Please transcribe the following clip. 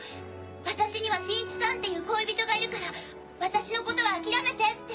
「私には新一さんっていう恋人がいるから私のことはあきらめて」って。